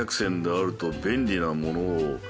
「あると便利なものを」